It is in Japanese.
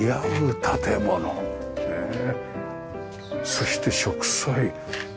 そして植栽。